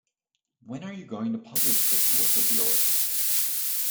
When are you going to publish this work of yours?